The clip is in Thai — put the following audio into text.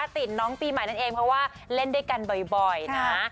ติดน้องปีใหม่นั่นเองเพราะว่าเล่นด้วยกันบ่อยนะ